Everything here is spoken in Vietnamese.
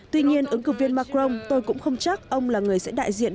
tuy nhiên ứng cử viên macron tôi cũng không chắc ông là người sẽ đại diện